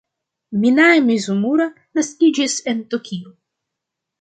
Minae Mizumura naskiĝis en Tokio.